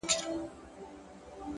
د چای بخار د لاس تودوخه بدلوي،